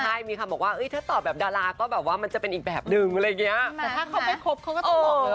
ใช่มีคำบอกว่าถ้าตอบแบบดาราก็มันจะเป็นอีกแบบหนึ่งอะไรอย่างนี้